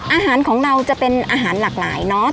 อาหารของเราจะเป็นอาหารหลากหลายเนาะ